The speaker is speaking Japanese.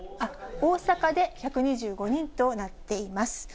大阪で１２５人となっています。